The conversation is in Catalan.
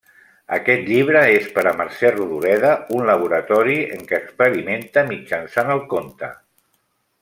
Aquest llibre és per a Mercè Rodoreda un laboratori en què experimenta mitjançant el conte.